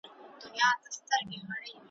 د پلار اشنا د زوی کاکا ,